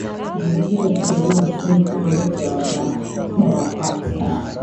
iliyopita Ilizaliwa kimsingi kama mto wa bara wakati